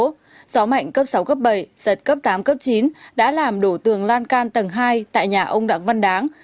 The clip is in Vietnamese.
gió mạnh cấp sáu cấp bảy giật cấp tám cấp chín đã làm đổ tường lan can tầng hai tại nhà ông đặng văn đáng